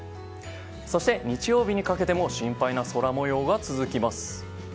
そして日曜日にかけても心配な空模様が続きます。